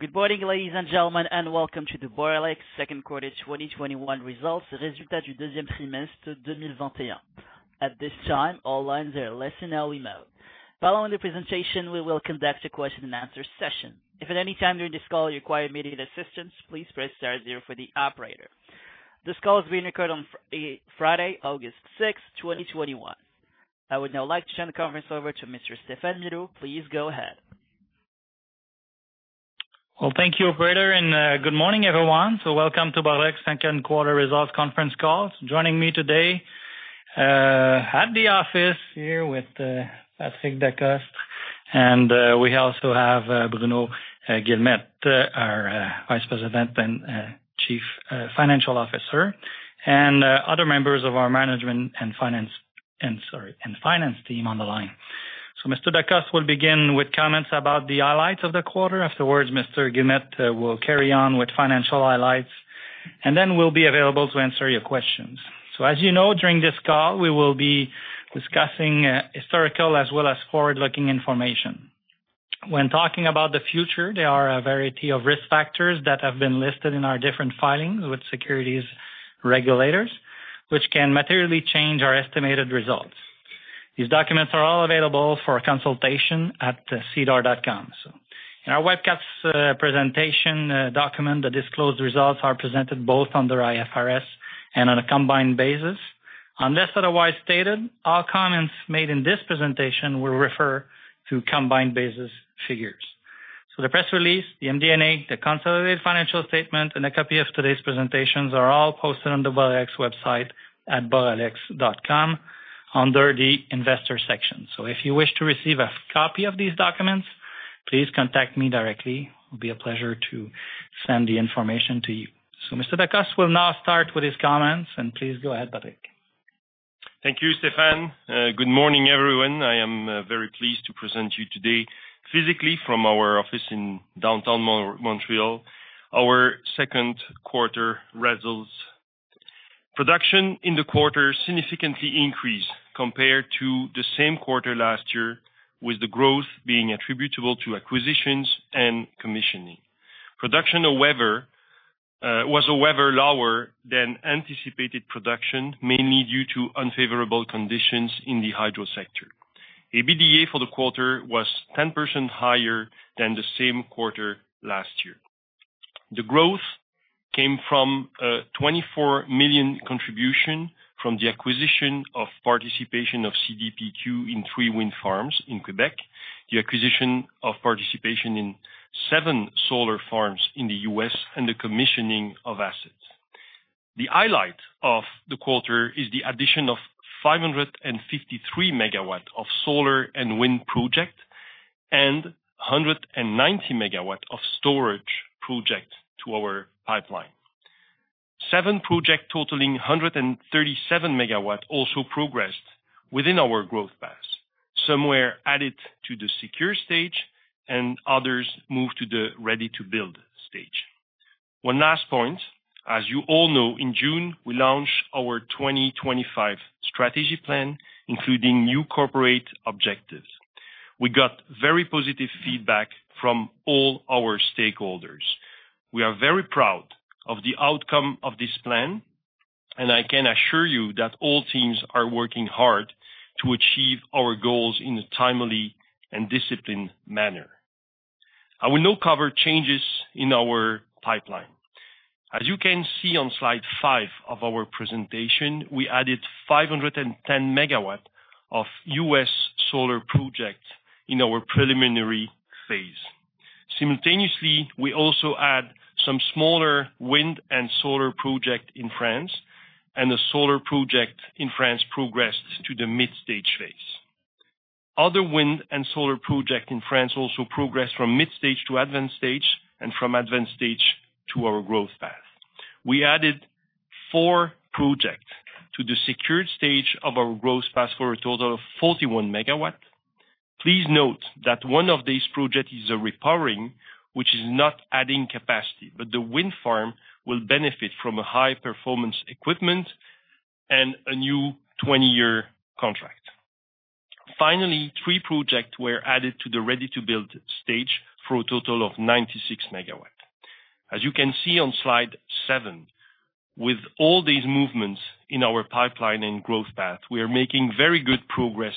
Good morning, ladies and gentlemen, and welcome to the Boralex second quarter 2021 results. At this time, all lines are listen only mode. Following the presentation, we will conduct a question and answer session. If at any time during this call you require immediate assistance, please press star zero for the operator. This call is being recorded on Friday, 6 August, 2021. I would now like to turn the conference over to Mr. Stéphane Milot. Please go ahead. Well, thank you, operator. Good morning, everyone. Welcome to Boralex second quarter results conference call. Joining me today, at the office here with Patrick Decostre, we also have Bruno Guilmette, our Vice President and Chief Financial Officer, and other members of our management and finance team on the line. Mr. Decostre will begin with comments about the highlights of the quarter. Afterwards, Mr. Guilmette will carry on with financial highlights. Then we'll be available to answer your questions. As you know, during this call, we will be discussing historical as well as forward-looking information. When talking about the future, there are a variety of risk factors that have been listed in our different filings with securities regulators, which can materially change our estimated results. These documents are all available for consultation at sedar.com. In our webcast presentation document, the disclosed results are presented both under IFRS and on a combined basis. Unless otherwise stated, all comments made in this presentation will refer to combined basis figures. The press release, the MD&A, the consolidated financial statement, and a copy of today's presentations are all posted on the Boralex website at boralex.com under the investor section. If you wish to receive a copy of these documents, please contact me directly. It'll be a pleasure to send the information to you. Mr. Decostre will now start with his comments, and please go ahead, Patrick. Thank you, Stéphane. Good morning, everyone. I am very pleased to present you today physically from our office in downtown Montreal, our second quarter results. Production in the quarter significantly increased compared to the same quarter last year, with the growth being attributable to acquisitions and commissioning. Production was, however, lower than anticipated production, mainly due to unfavorable conditions in the hydro sector. EBITDA for the quarter was 10% higher than the same quarter last year. The growth came from a 24 million contribution from the acquisition of participation of CDPQ in three wind farms in Quebec, the acquisition of participation in seven solar farms in the U.S., and the commissioning of assets. The highlight of the quarter is the addition of 553 MW of solar and wind project and 190 MW of storage project to our pipeline. Seven projects totaling 137 MW also progressed within our growth paths. Some were added to the secure stage and others moved to the ready-to-build stage. One last point, as you all know, in June, we launched our 2025 Strategy Plan, including new corporate objectives. We got very positive feedback from all our stakeholders. We are very proud of the outcome of this plan, I can assure you that all teams are working hard to achieve our goals in a timely and disciplined manner. I will now cover changes in our pipeline. As you can see on slide five of our presentation, we added 510 MW of U.S. solar projects in our preliminary phase. Simultaneously, we also add some smaller wind and solar project in France, and the solar project in France progressed to the mid-stage phase. Other wind and solar project in France also progressed from mid-stage to advanced stage, and from advanced stage to our growth path. We added four projects to the secured stage of our growth path for a total of 41 MW. Please note that one of these projects is a repowering, which is not adding capacity, but the wind farm will benefit from a high-performance equipment and a new 20-year contract. Finally, three projects were added to the ready-to-build stage for a total of 96 MW. As you can see on slide seven, with all these movements in our pipeline and growth path, we are making very good progress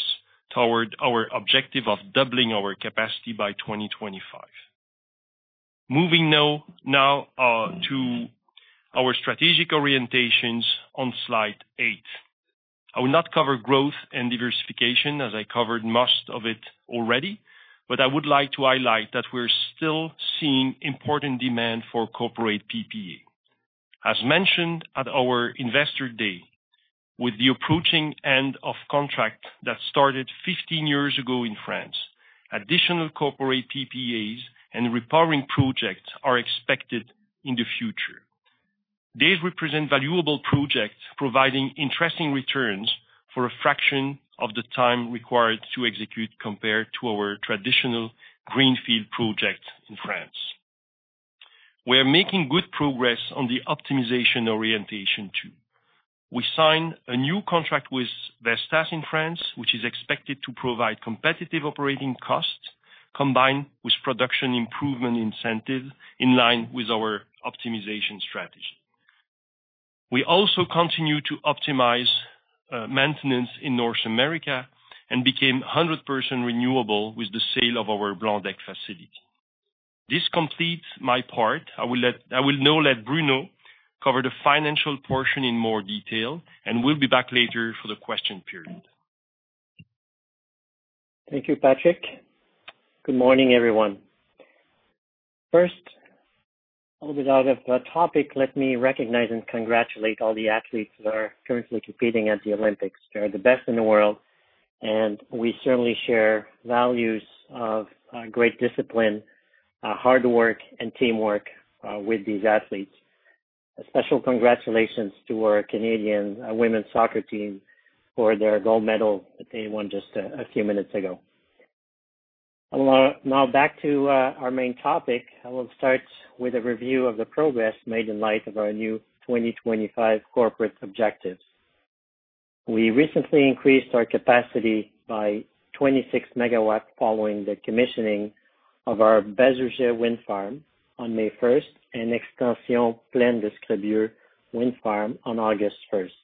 toward our objective of doubling our capacity by 2025. Moving now to our strategic orientations on slide eight. I will not cover growth and diversification, as I covered most of it already, but I would like to highlight that we're still seeing important demand for corporate PPA. As mentioned at our investor day, with the approaching end of contract that started 15 years ago in France, additional corporate PPAs and repowering projects are expected in the future. These represent valuable projects providing interesting returns for a fraction of the time required to execute compared to our traditional greenfield projects in France. We are making good progress on the optimization orientation too. We signed a new contract with Vestas in France, which is expected to provide competitive operating costs, combined with production improvement incentive in line with our optimization strategy. We also continue to optimize maintenance in North America and became 100% renewable with the sale of our Blendecques facility. This completes my part. I will now let Bruno cover the financial portion in more detail, and will be back later for the question period. Thank you, Patrick. Good morning, everyone. First, a little bit out of topic, let me recognize and congratulate all the athletes that are currently competing at the Olympics. They are the best in the world, and we certainly share values of great discipline, hard work, and teamwork with these athletes. A special congratulations to our Canadian women's soccer team for their gold medal that they won just a few minutes ago. Back to our main topic. I will start with a review of the progress made in light of our new 2025 corporate objectives. We recently increased our capacity by 26 MW following the commissioning of our Bazougeais wind farm on May 1st and Extension Plaine d'Escrebieux wind farm on August 1st.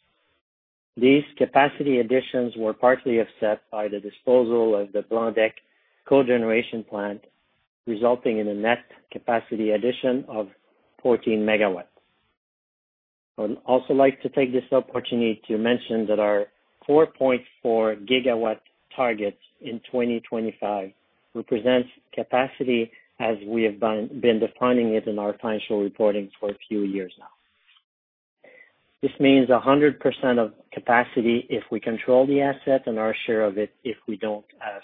These capacity additions were partly offset by the disposal of the Blendecques co-generation plant, resulting in a net capacity addition of 14 MW. I would also like to take this opportunity to mention that our 4.4 GW targets in 2025 represents capacity as we have been defining it in our financial reporting for a few years now. This means 100% of capacity if we control the asset and our share of it if we don't have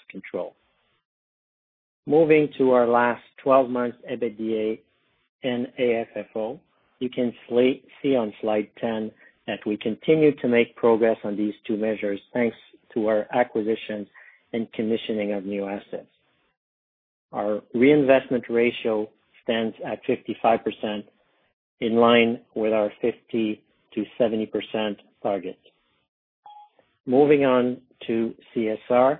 control. Moving to our last 12 months EBITDA and AFFO, you can see on slide 10 that we continue to make progress on these two measures, thanks to our acquisitions and commissioning of new assets. Our reinvestment ratio stands at 55%, in line with our 50%-70% target. Moving on to CSR.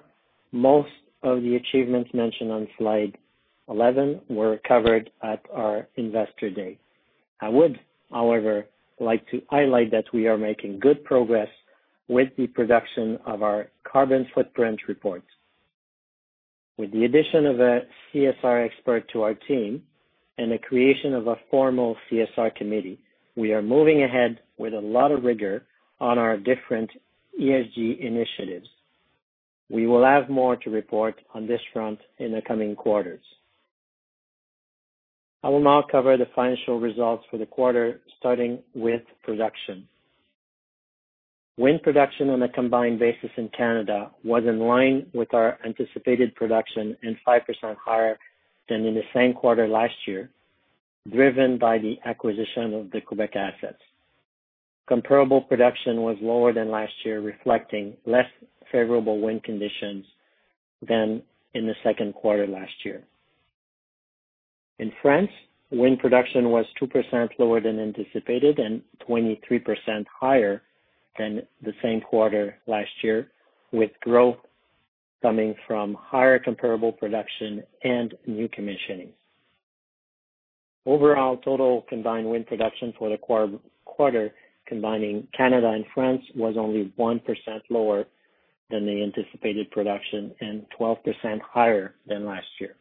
Most of the achievements mentioned on slide 11 were covered at our investor day. I would, however, like to highlight that we are making good progress with the production of our carbon footprint report. With the addition of a CSR expert to our team and the creation of a formal CSR committee, we are moving ahead with a lot of rigor on our different ESG initiatives. We will have more to report on this front in the coming quarters. I will now cover the financial results for the quarter, starting with production. Wind production on a combined basis in Canada was in line with our anticipated production and 5% higher than in the same quarter last year, driven by the acquisition of the Quebec assets. Comparable production was lower than last year, reflecting less favorable wind conditions than in the second quarter last year. In France, wind production was 2% lower than anticipated and 23% higher than the same quarter last year, with growth coming from higher comparable production and new commissioning. Overall, total combined wind production for the quarter, combining Canada and France, was only 1% lower than the anticipated production and 12% higher than last year.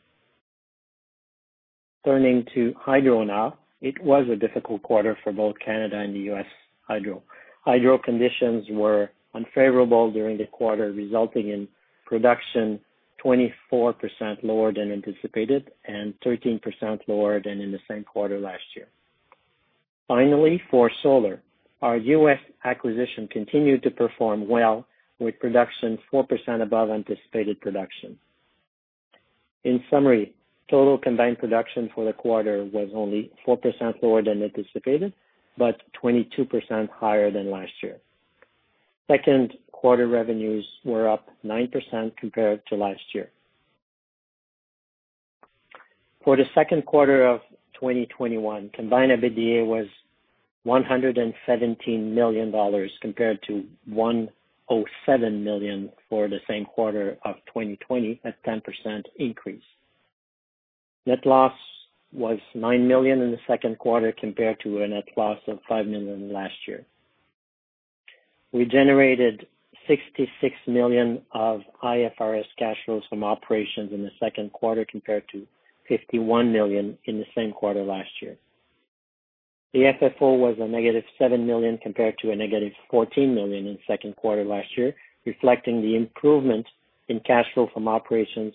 Turning to hydro now. It was a difficult quarter for both Canada and U.S. hydro. Hydro conditions were unfavorable during the quarter, resulting in production 24% lower than anticipated and 13% lower than in the same quarter last year. Finally, for solar, our U.S. acquisition continued to perform well with production 4% above anticipated production. In summary, total combined production for the quarter was only 4% lower than anticipated, but 22% higher than last year. Second quarter revenues were up 9% compared to last year. For the second quarter of 2021, combined EBITDA was 117 million dollars compared to 107 million for the same quarter of 2020, a 10% increase. Net loss was 9 million in the second quarter compared to a net loss of 5 million last year. We generated 66 million of IFRS cash flows from operations in the second quarter compared to 51 million in the same quarter last year. The FFO was a negative 7 million compared to a negative 14 million in second quarter last year, reflecting the improvement in cash flow from operations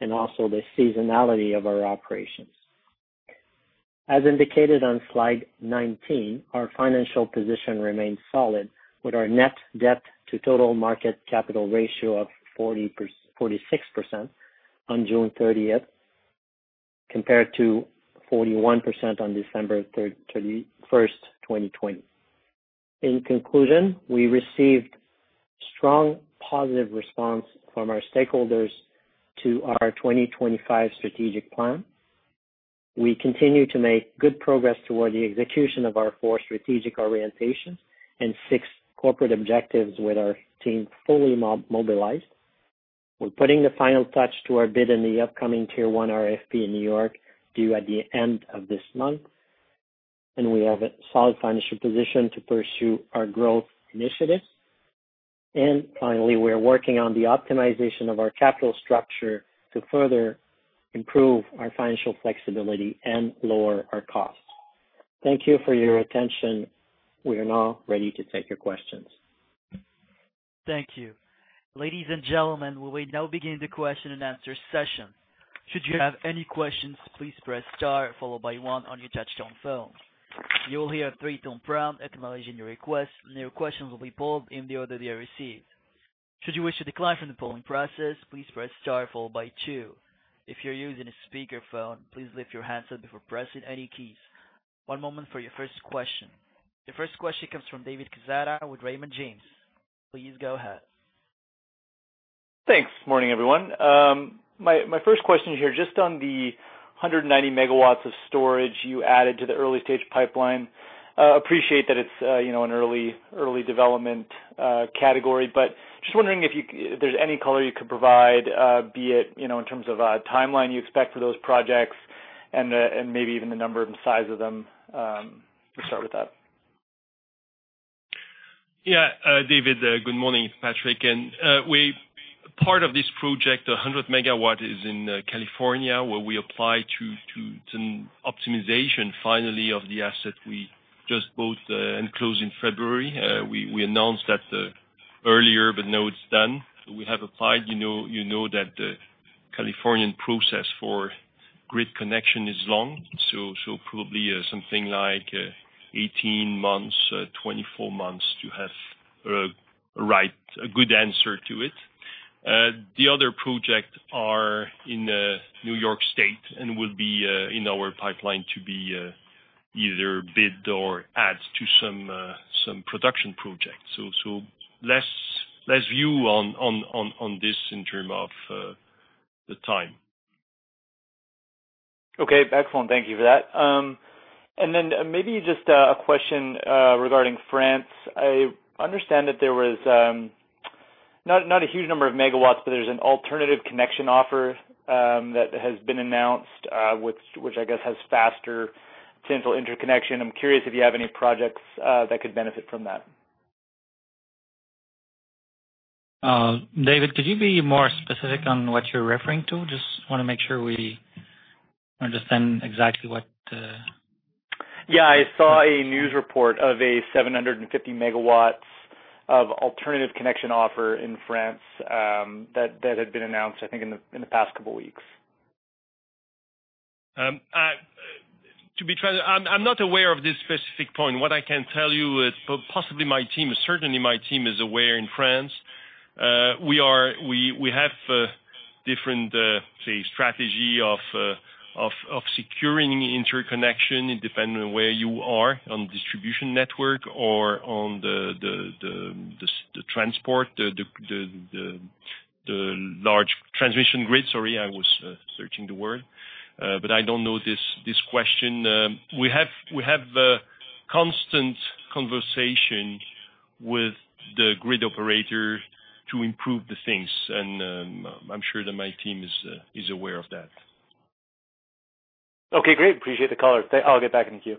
and also the seasonality of our operations. As indicated on slide 19, our financial position remains solid with our net debt to total market capital ratio of 46% on June 30th, compared to 41% on December 1st, 2020. In conclusion, we received strong positive response from our stakeholders to our 2025 strategic plan. We continue to make good progress toward the execution of our four strategic orientations and six corporate objectives with our team fully mobilized. We're putting the final touch to our bid in the upcoming Tier 1 RFP in New York, due at the end of this month, and we have a solid financial position to pursue our growth initiatives. Finally, we are working on the optimization of our capital structure to further improve our financial flexibility and lower our costs. Thank you for your attention. We are now ready to take your questions. Thank you ladies and gentlemen we will now begin the question and answer session should you have any question please press star four by one on your touch-tone phone. your request and your request will be pulled in when received could you wish to decline please do so by pressing star four by two if your using a speaker phone please answer your phone by pressing any keys. Now we move to the first question. The first question comes from David Quezada with Raymond James. Please go ahead. Thanks. Morning, everyone. My first question here, just on the 190 MW of storage you added to the early-stage pipeline. Appreciate that it's an early development category, but just wondering if there's any color you could provide, be it in terms of a timeline you expect for those projects and maybe even the number and size of them. We'll start with that. David, good morning. It's Patrick. Part of this project, 100 MW, is in California, where we apply to some optimization finally of the asset we just bought and closed in February. We announced that earlier, but now it's done. We have applied. You know that the Californian process for grid connection is long, so probably something like 18 months, 24 months to have a good answer to it. The other projects are in New York State and will be in our pipeline to be either bid or add to some production projects. Less view on this in term of the time. Okay. Excellent. Thank you for that. Maybe just a question regarding France. I understand that there was not a huge number of megawatts, but there's an alternative connection offer that has been announced, which I guess has faster potential interconnection. I am curious if you have any projects that could benefit from that. David, could you be more specific on what you're referring to? Just want to make sure we understand exactly what the. Yeah, I saw a news report of a 750 MW of alternative connection offer in France that had been announced, I think, in the past couple weeks. To be transparent, I'm not aware of this specific point. What I can tell you is possibly my team, certainly my team is aware in France. We have different, say, strategy of securing interconnection independent where you are on distribution network or on the transport, the large transmission grid. Sorry, I was searching the word. I don't know this question. We have a constant conversation with the grid operator to improve the things, and I'm sure that my team is aware of that. Okay, great. Appreciate the color. I'll get back in the queue.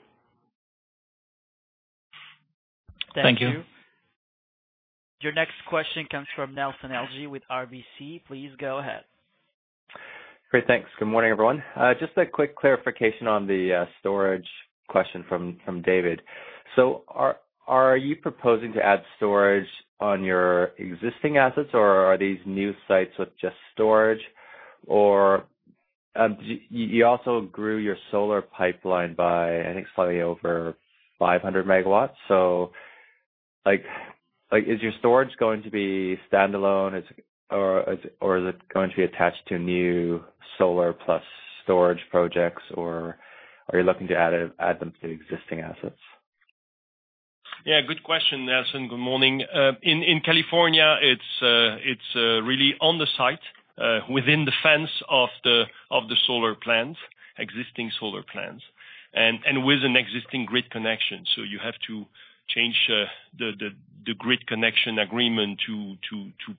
Thank you. Your next question comes from Nelson Ng with RBC. Please go ahead. Great. Thanks. Good morning, everyone. Just a quick clarification on the storage question from David. Are you proposing to add storage on your existing assets, or are these new sites with just storage? You also grew your solar pipeline by, I think, slightly over 500 MW. Is your storage going to be standalone, or is it going to be attached to new solar plus storage projects, or are you looking to add them to existing assets? Yeah, good question, Nelson. Good morning. In California, it's really on the site within the fence of the existing solar plants and with an existing grid connection. You have to change the grid connection agreement to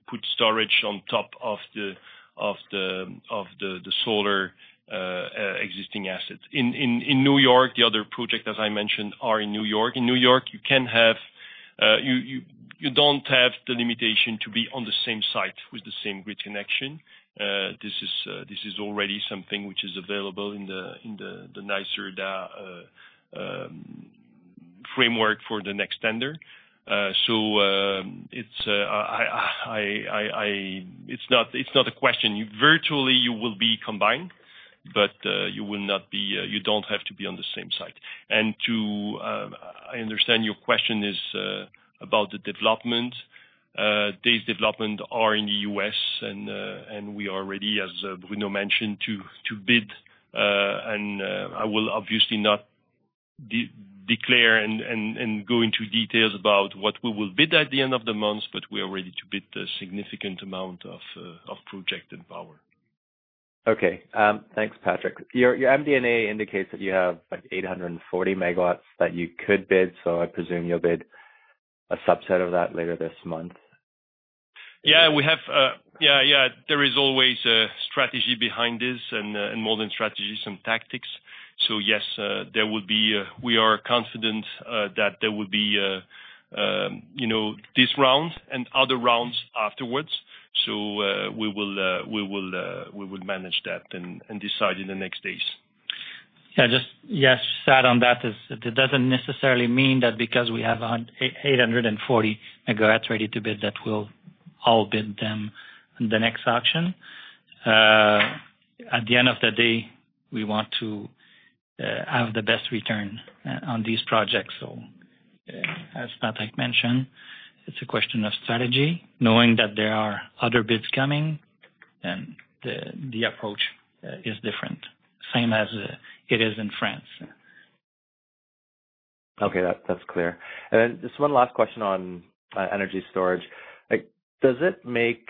put storage on top of the solar existing assets. In New York, the other project, as I mentioned, are in New York. In New York, you don't have the limitation to be on the same site with the same grid connection. This is already something which is available in the NYSERDA framework for the next tender. It's not a question. Virtually, you will be combined, but you don't have to be on the same site. I understand your question is about the development. These developments are in the U.S. and we are ready, as Bruno mentioned, to bid. I will obviously not declare and go into details about what we will bid at the end of the month, but we are ready to bid a significant amount of project and power. Okay. Thanks, Patrick. Your MD&A indicates that you have like 840 MW that you could bid, so I presume you'll bid a subset of that later this month. Yeah. There is always a strategy behind this and more than strategies, some tactics. Yes, we are confident that there will be this round and other rounds afterwards. We will manage that and decide in the next days. Yeah, just sat on that is, it doesn't necessarily mean that because we have 840 MW ready to bid, that we'll all bid them the next auction. At the end of the day, we want to have the best return on these projects. As Patrick mentioned, it's a question of strategy, knowing that there are other bids coming and the approach is different. Same as it is in France. Okay. That's clear. Then just one last question on energy storage. Does it make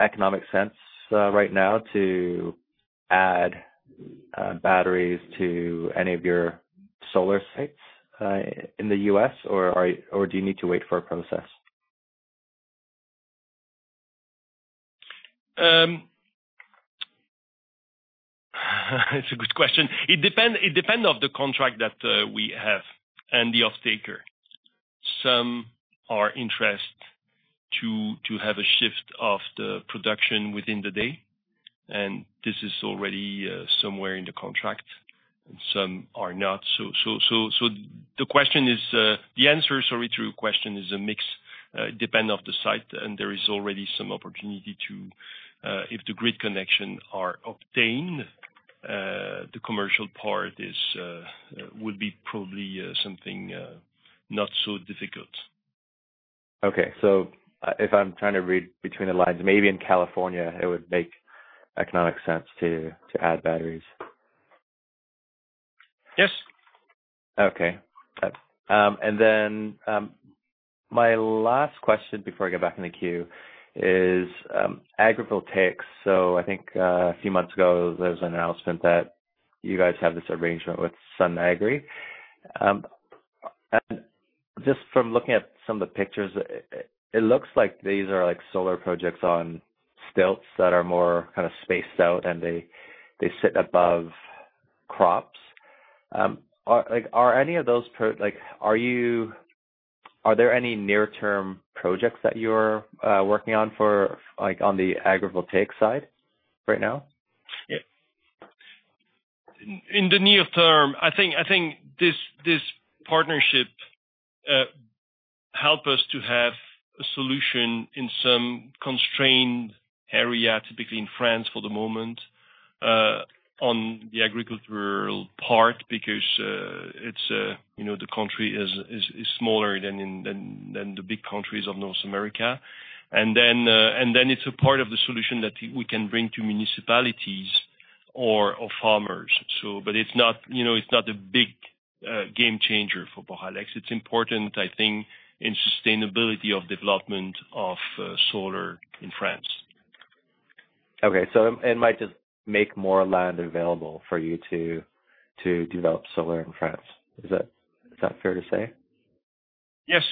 economic sense right now to add batteries to any of your solar sites in the U.S., or do you need to wait for a process? It's a good question. It depend of the contract that we have and the off-taker. Some are interest to have a shift of the production within the day, and this is already somewhere in the contract, and some are not. The answer to your question is a mix, depend of the site, and there is already some opportunity. If the grid connection are obtained, the commercial part would be probably something not so difficult. If I'm trying to read between the lines, maybe in California, it would make economic sense to add batteries. Yes. My last question before I go back in the queue is agrivoltaics. I think, a few months ago, there was an announcement that you guys have this arrangement with Sun'Agri. Just from looking at some of the pictures, it looks like these are solar projects on stilts that are more kind of spaced out, and they sit above crops. Are there any near-term projects that you're working on the agrivoltaic side right now? Yeah. In the near term, I think this partnership help us to have a solution in some constrained area, typically in France for the moment, on the agricultural part, because the country is smaller than the big countries of North America. It's a part of the solution that we can bring to municipalities or farmers. It's not a big game changer for Boralex. It's important, I think, in sustainability of development of solar in France. Okay. It might just make more land available for you to develop solar in France. Is that fair to say? Yes.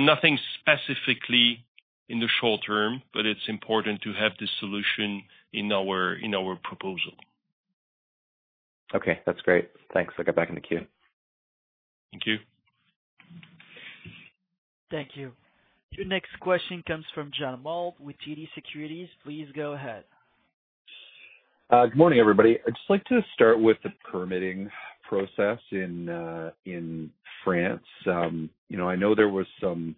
Nothing specifically in the short term, but it's important to have this solution in our proposal. Okay. That's great. Thanks. I'll get back in the queue. Thank you. Thank you. Your next question comes from John Mould with TD Securities. Please go ahead. Good morning, everybody. I'd just like to start with the permitting process in France. I know there was some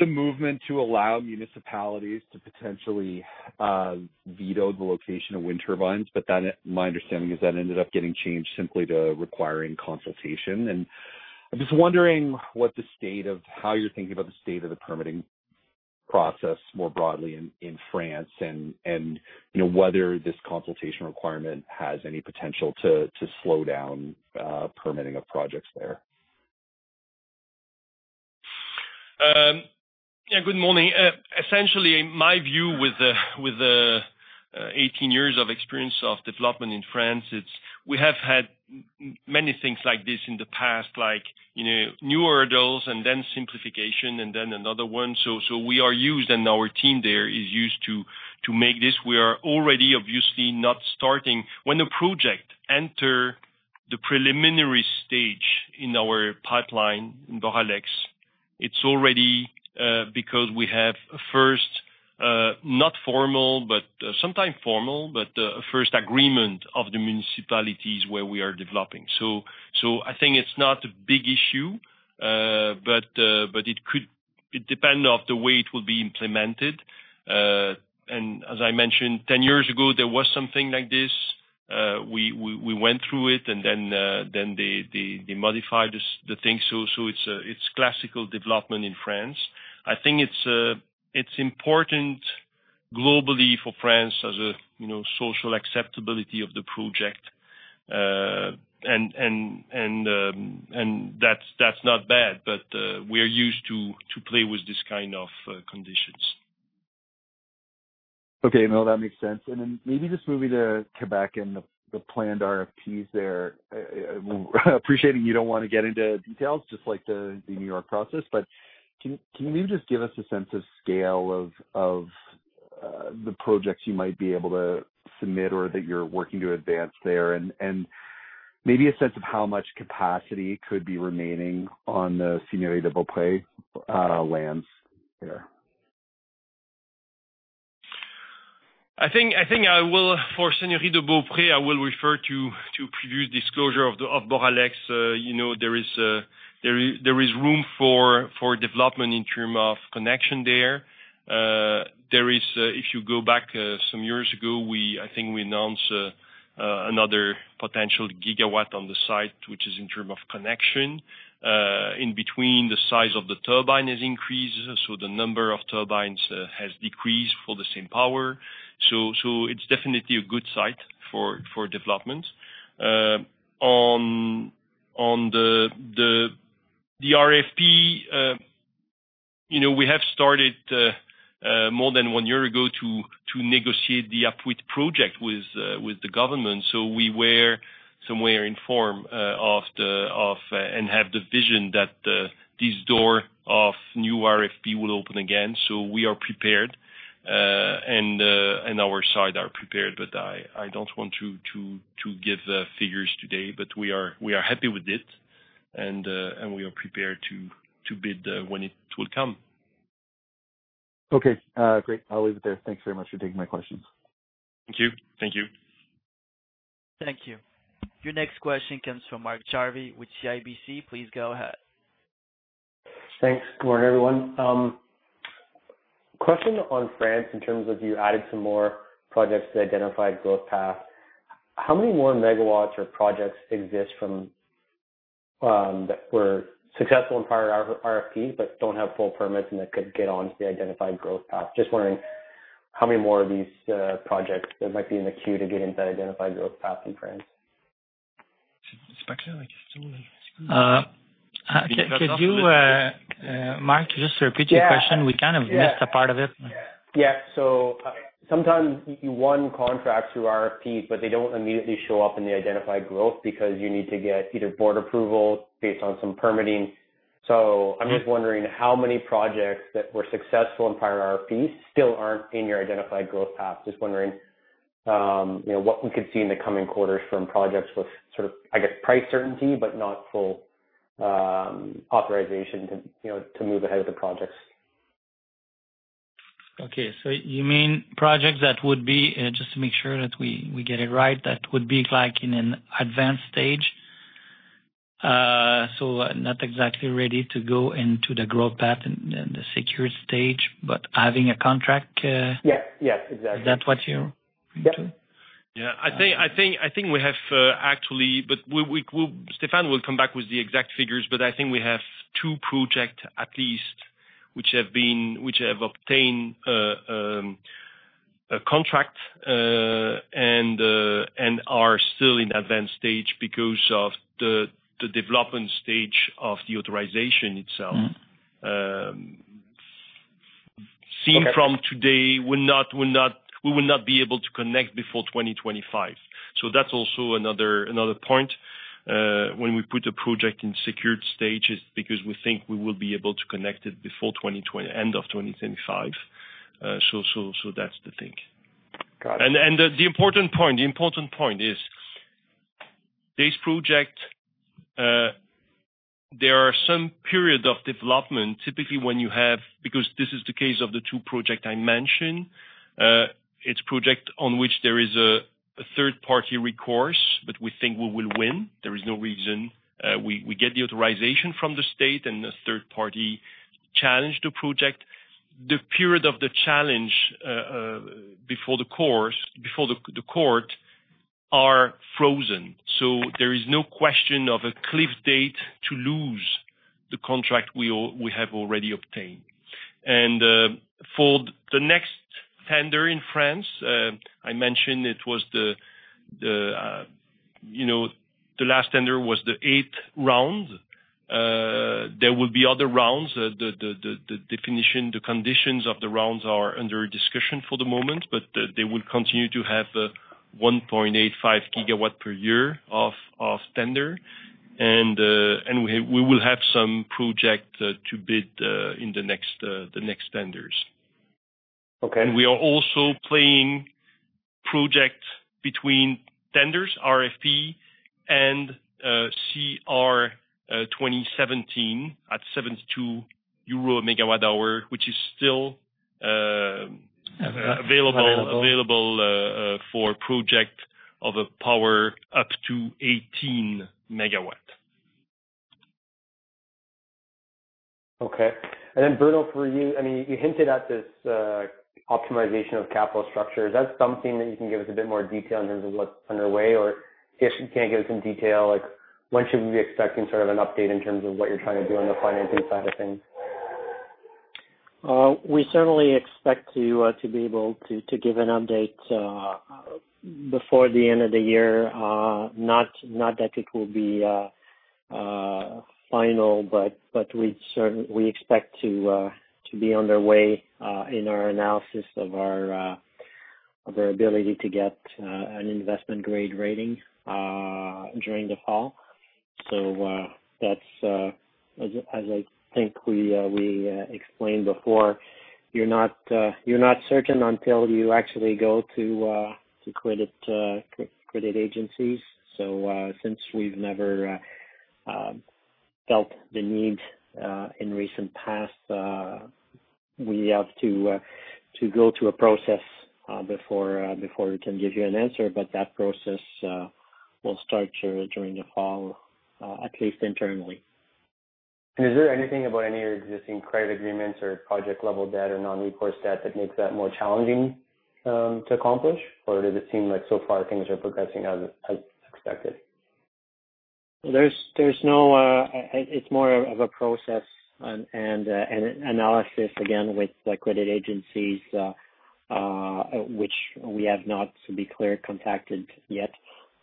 movement to allow municipalities to potentially have veto the location of wind turbines, but my understanding is that ended up getting changed simply to requiring consultation. I'm just wondering how you're thinking about the state of the permitting process more broadly in France, and whether this consultation requirement has any potential to slow down permitting of projects there. Good morning. Essentially, my view with the 18 years of experience of development in France, we have had many things like this in the past, like new orders then simplification then another one. We are used, and our team there is used to make this. We are already obviously not starting. When a project enter the preliminary stage in our pipeline in Boralex, it's already, because we have a first, not formal, but sometimes formal, but a first agreement of the municipalities where we are developing. I think it's not a big issue, but it depend of the way it will be implemented. As I mentioned, 10 years ago, there was something like this. We went through it then they modified the thing. It's classical development in France. I think it's important globally for France as a social acceptability of the project. That's not bad. We are used to play with this kind of conditions. Okay. Now, that makes sense. Then maybe just moving to Quebec and the planned RFPs there. Appreciating you don't want to get into details, just like the New York process, but can you maybe just give us a sense of scale of the projects you might be able to submit or that you're working to advance there, and maybe a sense of how much capacity could be remaining on the Seigneurie de Beaupré lands there? I think for Seigneurie de Beaupré, I will refer to preview disclosure of Boralex. There is room for development in term of connection there. If you go back some years ago, I think we announced another potential gigawatt on the site, which is in term of connection. In between, the size of the turbine has increased, so the number of turbines has decreased for the same power. It's definitely a good site for development. On the RFP, we have started more than one year ago to negotiate the Apuiat project with the government. We were somewhere informed of and have the vision that this door of new RFP will open again. We are prepared, and our side are prepared. I don't want to give figures today, but we are happy with it, and we are prepared to bid when it will come. Okay. Great. I'll leave it there. Thank you very much for taking my questions. Thank you. Thank you. Your next question comes from Mark Jarvi with CIBC. Please go ahead. Thanks. Good morning, everyone. Question on France, in terms of you adding some more projects to the identified growth path. How many more megawatts or projects exist that were successful in prior RFP but don't have full permits and that could get onto the identified growth path? Just wondering how many more of these projects there might be in the queue to get into that identified growth path in France. Could you, Mark, just repeat your question? Yeah. We kind of missed a part of it. Yeah. Sometimes you won contracts through RFPs, but they don't immediately show up in the identified growth because you need to get either board approval based on some permitting. I'm just wondering how many projects that were successful in prior RFPs still aren't in your identified growth path. Just wondering what we could see in the coming quarters from projects with, I guess, price certainty but not full authorization to move ahead with the projects. Okay. You mean projects that would be, just to make sure that we get it right, that would be like in an advanced stage? Not exactly ready to go into the growth path and the secured stage, but having a contract? Yes. Exactly. Is that what you mean? Yeah. I think we have actually, but Stéphane will come back with the exact figures, but I think we have two projects at least which have obtained a contract, and are still in advanced stage because of the development stage of the authorization itself. Seeing from today, we will not be able to connect before 2025. That's also another point. When we put a project in secured stage is because we think we will be able to connect it before end of 2025. That's the thing. Got it. The important point is, this project, there are some periods of development. It's project on which there is a third-party recourse, but we think we will win. There is no reason we get the authorization from the state, and the third party challenged the project. The period of the challenge before the court are frozen. There is no question of a cliff date to lose the contract we have already obtained. For the next tender in France, I mentioned the last tender was the eighth round. There will be other rounds. The definition, the conditions of the rounds are under discussion for the moment, but they will continue to have 1.85 GW per year of tender. We will have some project to bid in the next tenders. Okay. We are also playing project between tenders, RFP, and CR 2017 at 72 euro a megawatt hour, which is still available.... Available ...for project of a power up to 18 MW. Okay. Bruno, for you hinted at this optimization of capital structure. Is that something that you can give us a bit more detail in terms of what's underway? If you can't give us any detail, when should we be expecting an update in terms of what you're trying to do on the financing side of things? We certainly expect to be able to give an update before the end of the year. Not that it will be final, but we expect to be on the way in our analysis of our ability to get an investment-grade rating during the fall. That's as I think we explained before, you're not certain until you actually go to credit agencies. Since we've never felt the need in recent past, we have to go through a process before we can give you an answer. That process will start during the fall, at least internally. Is there anything about any of your existing credit agreements or project-level debt or non-recourse debt that makes that more challenging to accomplish? Does it seem like so far things are progressing as expected? It's more of a process and analysis, again, with the credit agencies, which we have not, to be clear, contacted yet.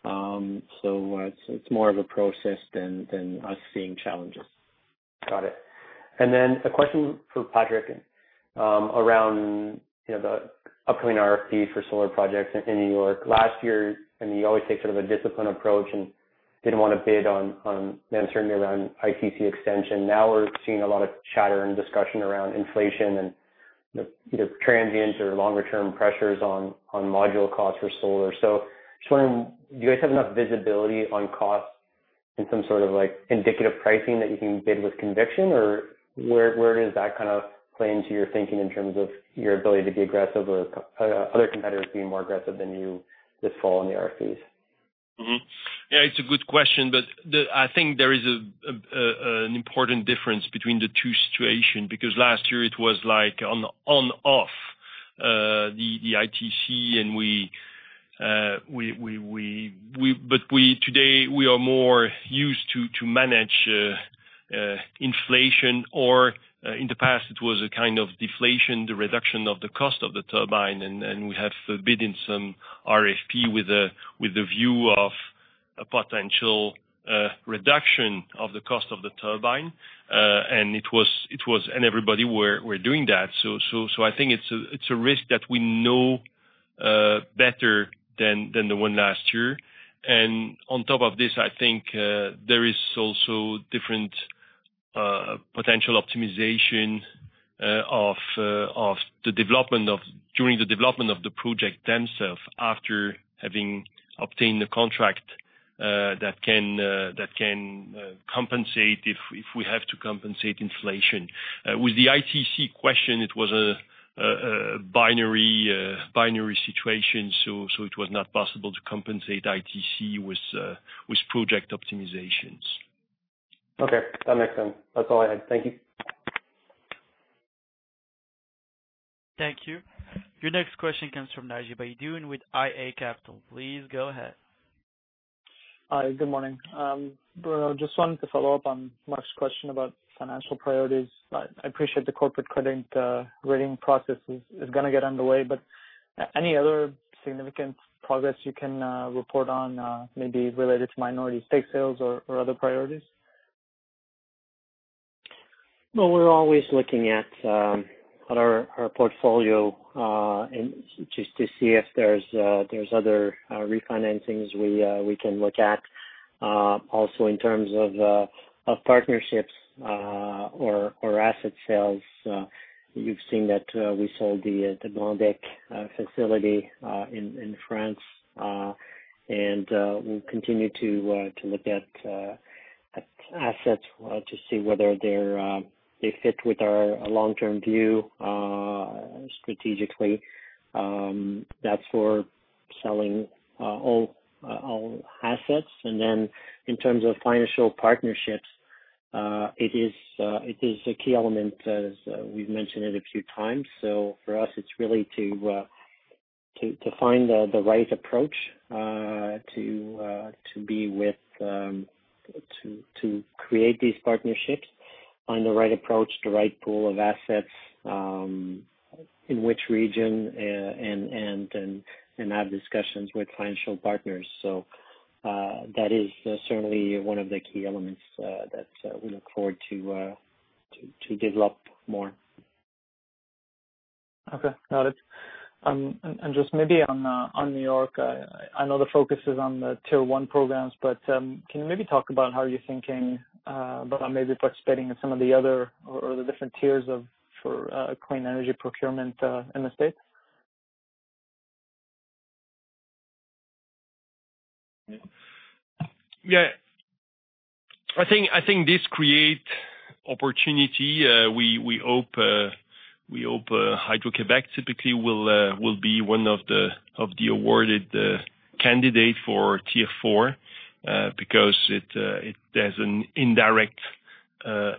It's more of a process than us seeing challenges. Got it. Then a question for Patrick around the upcoming RFP for solar projects in New York. Last year, you always take sort of a disciplined approach and didn't want to bid on, certainly around ITC extension. Now we're seeing a lot of chatter and discussion around inflation and either transient or longer-term pressures on module costs for solar. Just wondering, do you guys have enough visibility on costs and some sort of indicative pricing that you can bid with conviction? Where does that kind of play into your thinking in terms of your ability to be aggressive or other competitors being more aggressive than you this fall in the RFPs? Yeah, it's a good question, but I think there is an important difference between the two situations, because last year it was on/off the ITC, but today we are more used to manage inflation. In the past it was a kind of deflation, the reduction of the cost of the turbine, and we have bid in some RFP with the view of a potential reduction of the cost of the turbine. Everybody was doing that. I think it's a risk that we know better than the one last year. On top of this, I think there is also different potential optimization during the development of the project themselves after having obtained the contract that can compensate if we have to compensate inflation. With the ITC question, it was a binary situation, so it was not possible to compensate ITC with project optimizations. Okay, that makes sense. That is all I had. Thank you. Thank you. Your next question comes from Naji Baydoun with iA Capital Markets. Please go ahead. Hi, good morning. Bruno, just wanted to follow up on Mark's question about financial priorities. I appreciate the corporate credit rating process is going to get underway, but any other significant progress you can report on, maybe related to minority stake sales or other priorities? Well, we're always looking at our portfolio just to see if there's other re-financings we can look at. Also in terms of partnerships or asset sales, you've seen that we sold the Blendecques facility in France. We'll continue to look at assets to see whether they fit with our long-term view strategically. That's for selling all assets. Then in terms of financial partnerships, it is a key element as we've mentioned it a few times. For us, it's really to find the right approach to create these partnerships on the right approach, the right pool of assets, in which region, and have discussions with financial partners. That is certainly one of the key elements that we look forward to develop more. Okay, got it. Just maybe on New York, I know the focus is on the Tier 1 programs, but can you maybe talk about how you're thinking about maybe participating in some of the other or the different tiers for clean energy procurement in the state? Yeah. I think this creates opportunity we hope Hydro-Québec typically will be one of the awarded candidate for Tier 4, because it has an indirect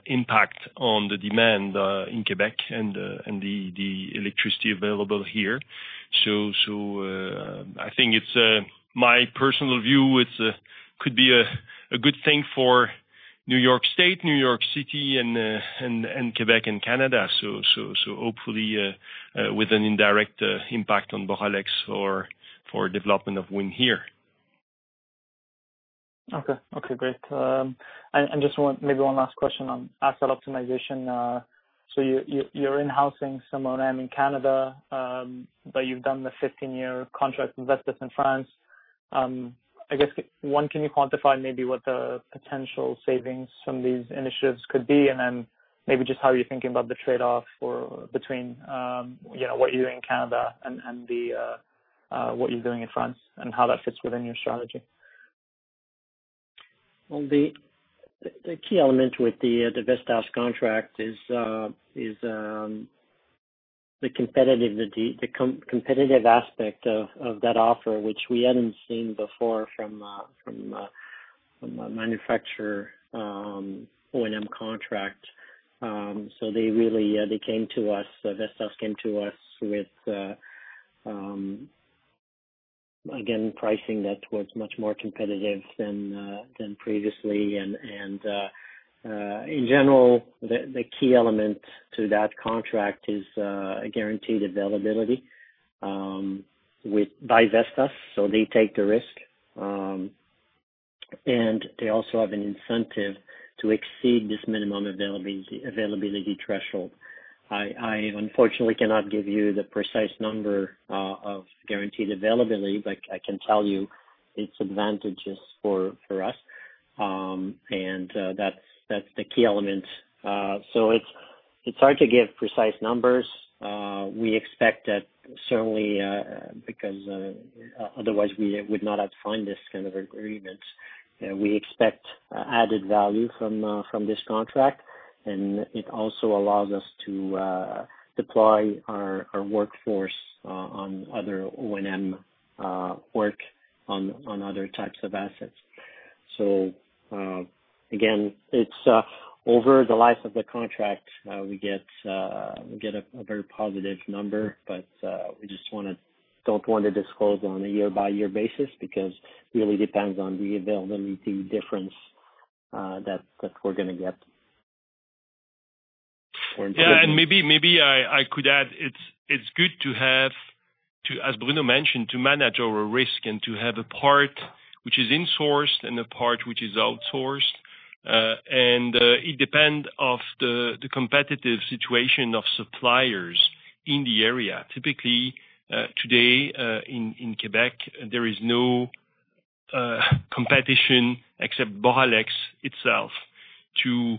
impact on the demand in Quebec and the electricity available here. I think my personal view, it could be a good thing for New York State, New York City, and Quebec and Canada. Hopefully, with an indirect impact on Boralex for development of wind here. Okay. Great. Just maybe one last question on asset optimization. You're in-housing some O&M in Canada, but you've done the 15-year contract with Vestas in France. I guess, one, can you quantify maybe what the potential savings from these initiatives could be? Maybe just how you're thinking about the trade-off between what you do in Canada and what you're doing in France, and how that fits within your strategy. Well, the key element with the Vestas contract is the competitive aspect of that offer, which we hadn't seen before from a manufacturer O&M contract. They really, Vestas came to us with, again, pricing that was much more competitive than previously. In general, the key element to that contract is a guaranteed availability by Vestas, so they take the risk. They also have an incentive to exceed this minimum availability threshold. I unfortunately cannot give you the precise number of guaranteed availability, but I can tell you its advantages for us. That's the key element. It's hard to give precise numbers. We expect that certainly, because otherwise we would not have signed this kind of agreement. We expect added value from this contract and it also allows us to deploy our workforce on other O&M work on other types of assets. Again, it's over the life of the contract, we get a very positive number, but we just don't want to disclose on a year-by-year basis because it really depends on the availability difference that we're going to get. Yeah, maybe I could add, it's good to have, as Bruno mentioned, to manage our risk and to have a part which is insourced and a part which is outsourced. It depends of the competitive situation of suppliers in the area. Typically, today, in Quebec, there is no competition except Boralex itself to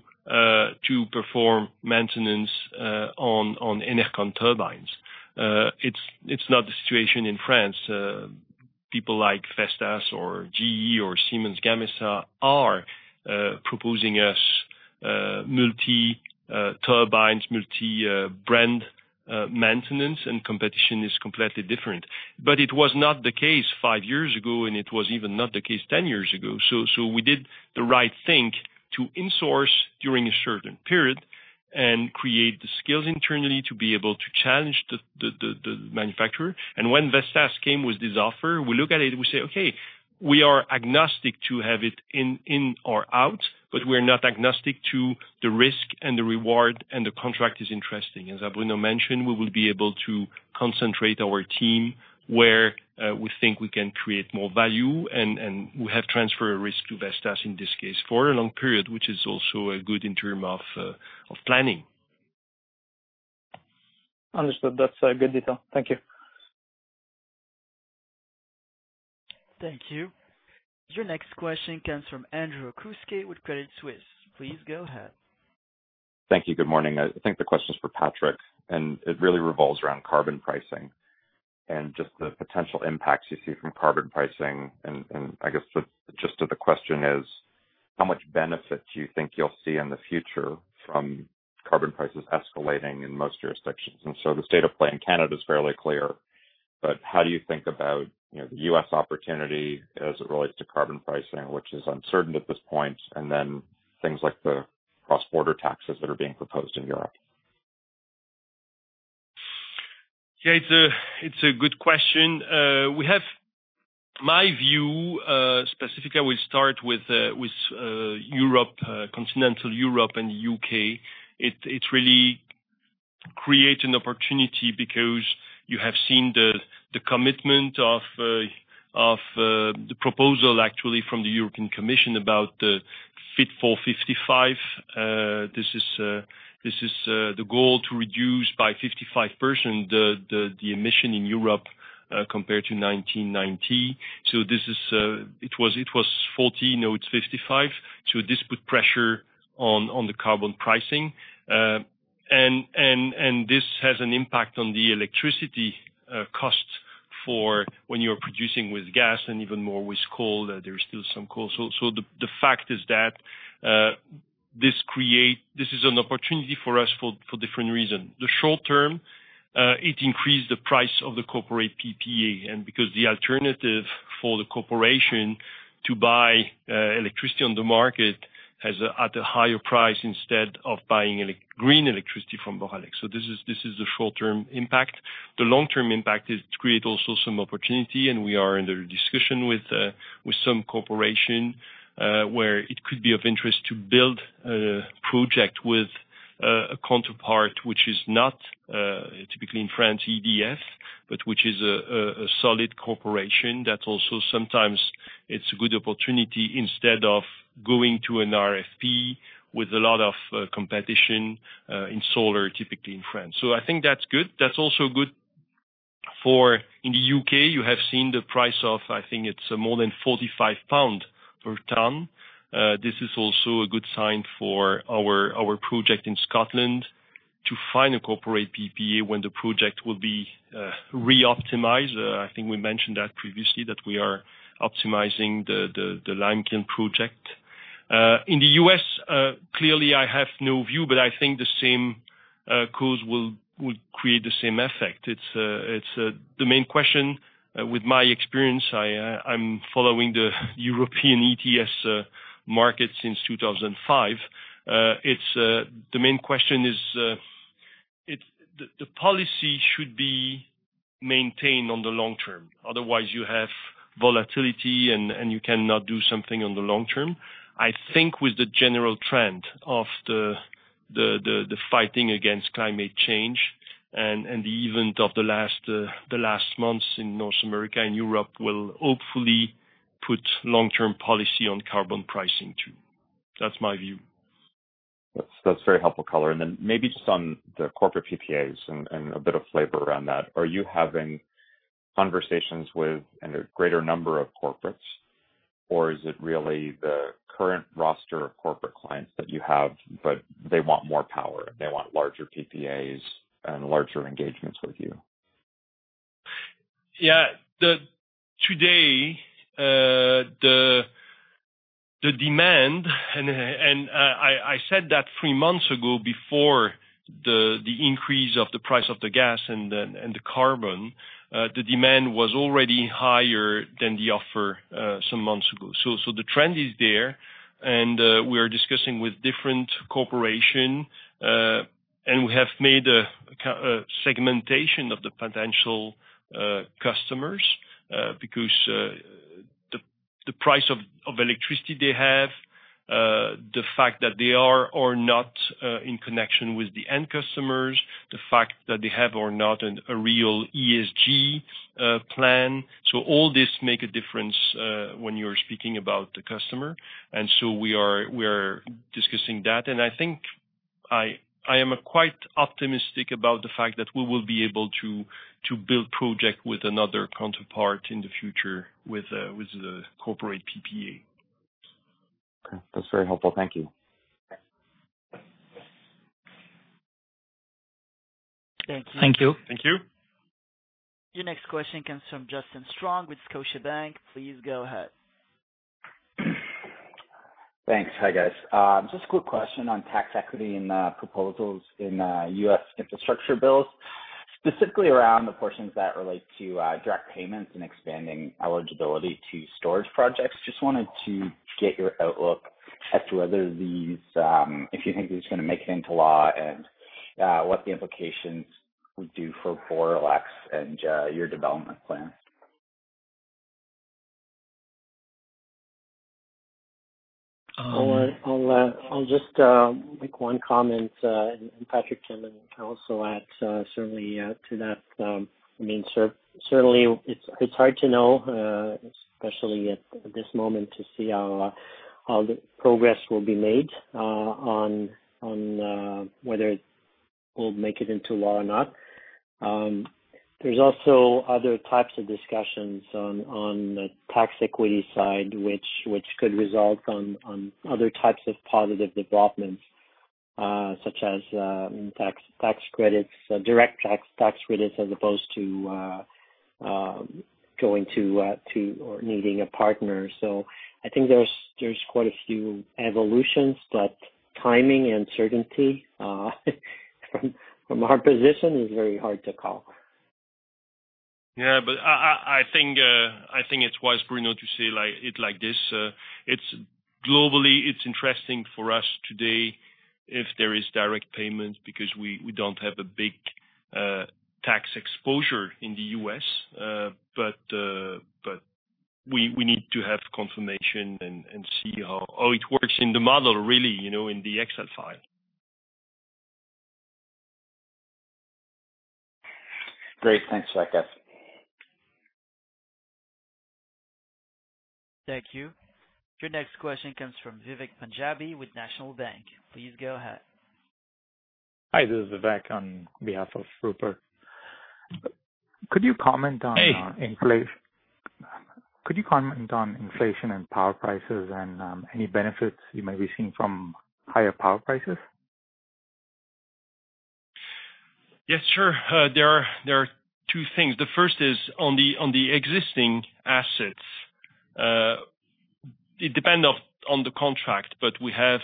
perform maintenance on ENERCON turbines. It's not the situation in France. People like Vestas or GE or Siemens Gamesa are proposing us multi-turbines, multi-brand maintenance, and competition is completely different. It was not the case five years ago, and it was even not the case 10 years ago. We did the right thing to insource during a certain period and create the skills internally to be able to challenge the manufacturer. When Vestas came with this offer, we look at it and we say, "Okay, we are agnostic to have it in or out, but we're not agnostic to the risk and the reward and the contract is interesting." As Bruno mentioned, we will be able to concentrate our team where we think we can create more value, and we have transferred risk to Vestas in this case for a long period, which is also good in term of planning. Understood. That's a good detail. Thank you. Thank you. Your next question comes from Andrew Kuske with Credit Suisse. Please go ahead. Thank you. Good morning. I think the question is for Patrick, and it really revolves around carbon pricing and just the potential impacts you see from carbon pricing. I guess the gist of the question is, how much benefit do you think you'll see in the future from carbon prices escalating in most jurisdictions? The state of play in Canada is fairly clear, but how do you think about the U.S. opportunity as it relates to carbon pricing, which is uncertain at this point, and then things like the cross-border taxes that are being proposed in Europe? Yeah. It's a good question. My view, specifically, I will start with Europe, continental Europe and the U.K. It really creates an opportunity because you have seen the commitment of the proposal, actually, from the European Commission about the Fit for 55. This is the goal to reduce by 55% the emission in Europe compared to 1990. It was 40, now it's 55. This put pressure on the carbon pricing. This has an impact on the electricity cost. For when you're producing with gas and even more with coal, there's still some coal. The fact is that this is an opportunity for us for different reason. The short term, it increased the price of the corporate PPA, and because the alternative for the corporation to buy electricity on the market at a higher price instead of buying green electricity from Boralex. This is the short-term impact. The long-term impact is to create also some opportunity, and we are in the discussion with some corporation, where it could be of interest to build a project with a counterpart, which is not typically in France, EDF, but which is a solid corporation that also sometimes it's a good opportunity instead of going to an RFP with a lot of competition in solar, typically in France. I think that's good. That's also good for in the U.K., you have seen the price of, I think it's more than 45 pounds per ton. This is also a good sign for our project in Scotland to find a corporate PPA when the project will be re-optimized. I think we mentioned that previously, that we are optimizing the Limekiln project. In the U.S., clearly, I have no view, but I think the same cause would create the same effect. The main question with my experience, I'm following the European ETS market since 2005. The main question is, the policy should be maintained on the long term. Otherwise, you have volatility, and you cannot do something on the long term. I think with the general trend of the fighting against climate change and the event of the last months in North America and Europe will hopefully put long-term policy on carbon pricing too. That's my view. That's very helpful color. Maybe just on the corporate PPAs and a bit of flavor around that. Are you having conversations with a greater number of corporates, or is it really the current roster of corporate clients that you have, but they want more power, they want larger PPAs and larger engagements with you? Yeah. Today, the demand, and I said that three months ago before the increase of the price of the gas and the carbon, the demand was already higher than the offer some months ago. The trend is there, and we are discussing with different corporation. We have made a segmentation of the potential customers, because the price of electricity they have, the fact that they are or not in connection with the end customers, the fact that they have or not a real ESG plan. All this make a difference when you're speaking about the customer. We are discussing that, and I think I am quite optimistic about the fact that we will be able to build project with another counterpart in the future with a corporate PPA. Okay. That's very helpful. Thank you. Thank you. Thank you. Your next question comes from Justin Strong with Scotiabank. Please go ahead. Thanks. Hi, guys. Just a quick question on tax equity in proposals in U.S. infrastructure bills, specifically around the portions that relate to direct payments and expanding eligibility to storage projects. Just wanted to get your outlook as to whether If you think these are going to make it into law and what the implications would do for Boralex and your development plans. I'll just make one comment, and Patrick can then also add certainly to that. Certainly, it's hard to know, especially at this moment, to see how the progress will be made on whether it will make it into law or not. There's also other types of discussions on the tax equity side, which could result on other types of positive developments, such as tax credits, direct tax credits, as opposed to going to or needing a partner. I think there's quite a few evolutions, but timing and certainty from our position is very hard to call. I think it's wise, Bruno, to say it like this. Globally, it's interesting for us today if there is direct payments, because we don't have a big tax exposure in the U.S. We need to have confirmation and see how it works in the model, really, in the Excel file. Great. Thanks. Patrick. Thank you. Your next question comes from Vivek Punjabi with National Bank. Please go ahead. Hi, this is Vivek on behalf of Rupert. Could you comment on inflation and power prices and any benefits you may be seeing from higher power prices? Yes, sure. There are two things. The first is on the existing assets. It depends on the contract, but we have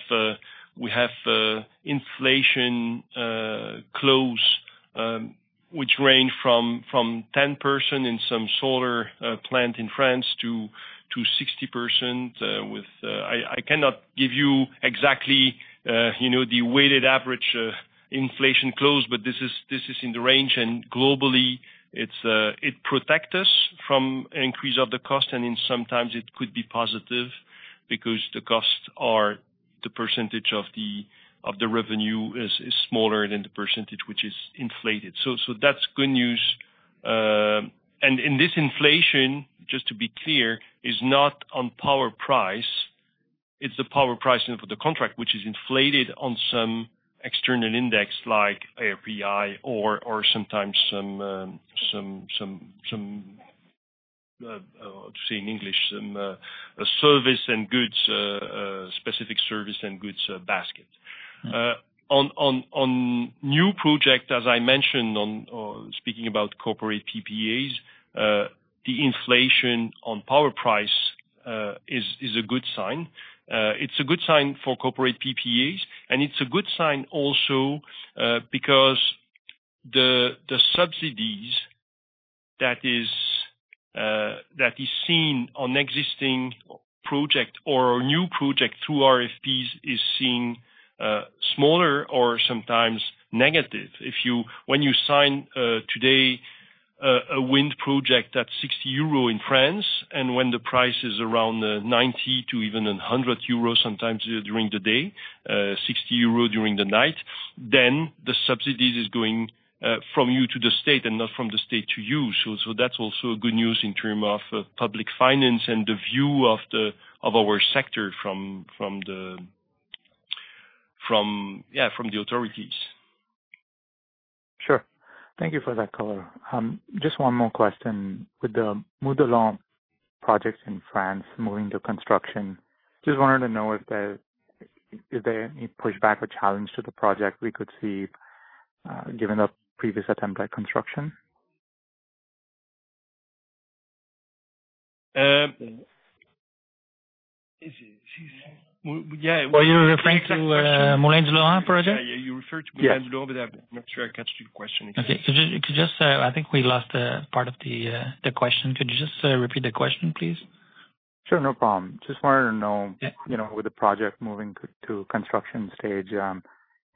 inflation clause, which range from 10% in some solar plant in France to 60% with I cannot give you exactly the weighted average inflation clause, but this is in the range, and globally, it protects us from increase of the cost. Sometimes it could be positive because the costs are the percentage of the revenue is smaller than the percentage which is inflated. That's good news. This inflation, just to be clear, is not on power price. It's the power price for the contract, which is inflated on some external index, like API or sometimes some, how to say in English, a service and goods, specific service and goods basket. On new project, as I mentioned on speaking about corporate PPAs, the inflation on power price is a good sign. It's a good sign for corporate PPAs, and it's a good sign also because the subsidies that is seen on existing project or new project through RFPs is seen smaller or sometimes negative. When you sign today a wind project at 60 euro in France, and when the price is around 90 to even 100 euro sometimes during the day, 60 euro during the night, then the subsidies is going from you to the state and not from the state to you. That's also good news in term of public finance and the view of our sector from the authorities. Sure. Thank you for that color. Just one more question. With the Molitg-les-Bains project in France moving to construction, just wanted to know if there any pushback or challenge to the project we could see, given the previous attempt at construction. Were you referring to Molitg-les-Bains project? Yeah, you referred to Molitg-les-Bains, but I'm not sure I got your question. Okay. I think we lost part of the question. Could you just repeat the question, please? Sure. No problem. Just wanted to know you know... ....With the project moving to construction stage,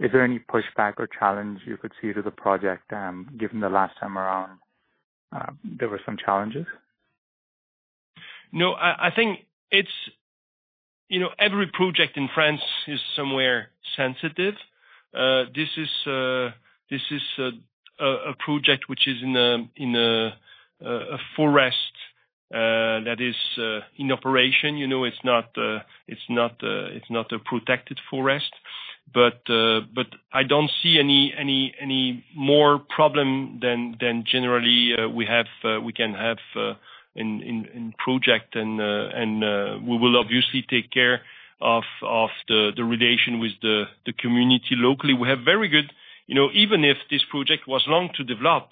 is there any pushback or challenge you could see to the project, given the last time around there were some challenges? I think every project in France is somewhere sensitive. This is a project which is in a forest that is in operation. It is not a protected forest. I don't see any more problem than generally we can have in project, and we will obviously take care of the relation with the community locally. Even if this project was long to develop,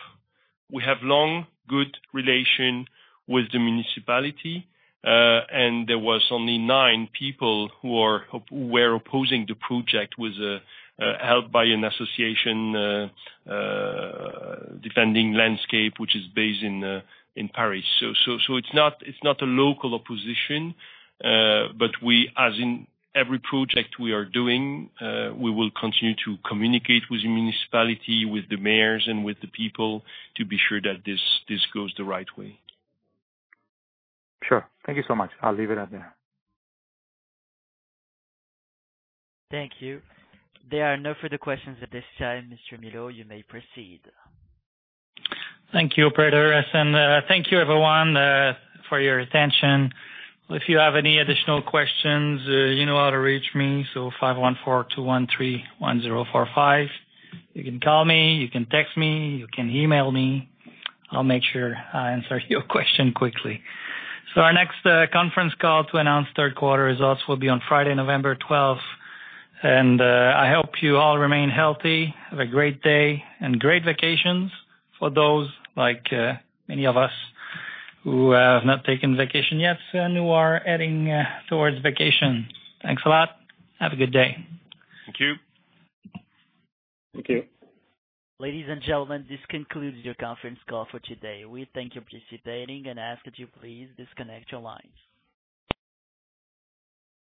we have long, good relation with the municipality, and there was only nine people who were opposing the project, was helped by an association, the Conseil d'État which is based in Paris. It is not a local opposition. As in every project we are doing, we will continue to communicate with the municipality, with the mayors, and with the people to be sure that this goes the right way. Sure. Thank you so much. I'll leave it at there. Thank you. There are no further questions at this time. Mr. Milot, you may proceed. Thank you, operator. Thank you, everyone for your attention. If you have any additional questions, you know how to reach me, so 514-213-1045. You can call me. You can text me. You can email me. I'll make sure I answer your question quickly. Our next conference call to announce third quarter results will be on Friday, November 12th. I hope you all remain healthy. Have a great day and great vacations for those like many of us who have not taken vacation yet and who are heading towards vacation. Thanks a lot. Have a good day. Thank you. Thank you. Ladies and gentlemen, this concludes your conference call for today. We thank you participating and ask that you please disconnect your lines.